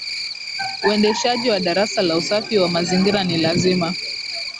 Uendeshaji wa darasa la usafi wa mazingira ni lazima